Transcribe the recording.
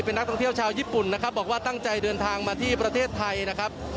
เป็นนักท่องเที่ยวชาวญี่ปุ่นนะครับบอกว่าตั้งใจเดินทางมาที่ประเทศไทยนะครับ